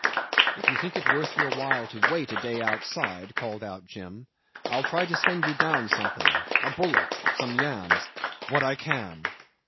"If you think it worth your while to wait a day outside," called out Jim, "I'll try to send you down something a bullock, some yams what I can."